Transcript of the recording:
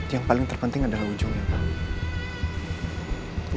yang paling terpenting adalah ujungnya pak